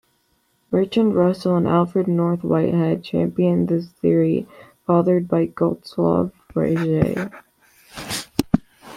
Bertrand Russell and Alfred North Whitehead championed this theory fathered by Gottlob Frege.